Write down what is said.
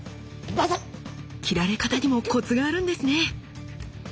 斬られ方にもコツがあるんですね。